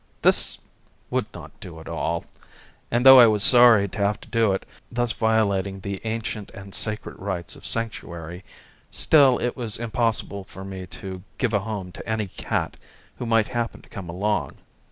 175 This would not do at all, and though I was sorry to have to do it, thus violating the ancient and sacred rights of sanctuary, still it was impossible for me to give a home to any cat who might happen to come along.